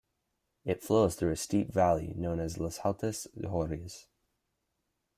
It flows through a steep valley known as Les Hautes Gorges.